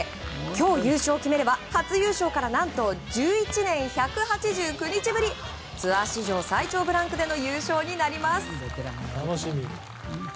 今日、優勝を決めれば初優勝から何と１１年１８９日ぶりツアー史上最長ブランクでの優勝になります。